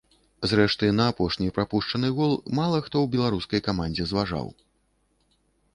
Зрэшты, на апошні прапушчаны гол мала хто ў беларускай камандзе зважаў.